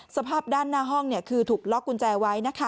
สภาพด้านหน้าห้องคือถูกล็อกกุญแจไว้